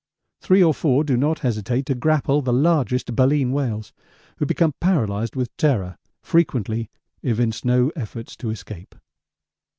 Three or four do not hesitate to grapple the largest baleen whales, who become paralysed with terror frequently evince no efforts to escape.